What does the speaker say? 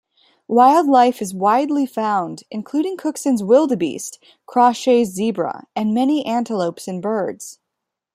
Wildlife is widely found, including Cookson's wildebeest, Crawshay's zebra and many antelopes and birds.